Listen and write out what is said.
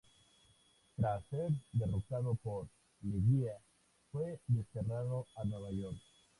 Tras ser derrocado por Leguía, fue desterrado a Nueva York.